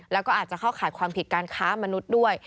แล้วก็อาจจะเข้าข่ายความผิดการค้ามนุษย์ด้วย